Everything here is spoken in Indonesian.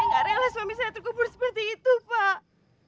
saya gak rela suami saya terkubur seperti itu pak